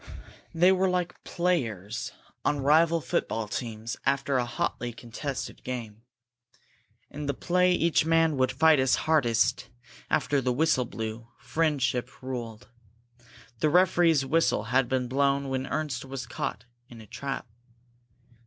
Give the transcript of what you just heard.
They were like players on rival football teams after a hotly contested game. In the play each man would fight his hardest; after the whistle blew, friendship ruled. The referee's whistle had blown when Ernst was caught in a trap.